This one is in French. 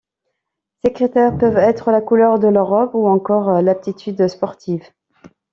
Ces critères peuvent être la couleur de leur robe, ou encore l'aptitude sportive.